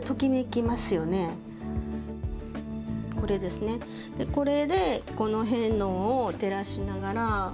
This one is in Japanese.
これでこの辺のを照らしながら。